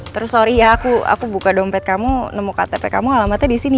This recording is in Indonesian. terus sorry ya aku buka dompet kamu nemu ktp kamu alamatnya di sini